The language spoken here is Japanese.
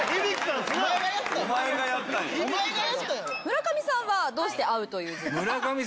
村上さんはどうして「会う」という字に？